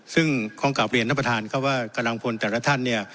ซึ่งของกราบเรียนนักประธานก็ว่ากระดังพลแต่ละท่านเนี่ย